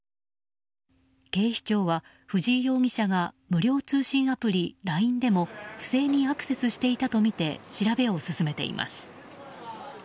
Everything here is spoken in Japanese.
警視庁は藤井容疑者が無料通信アプリＬＩＮＥでも不正にアクセスしていたとみて調べを進めています。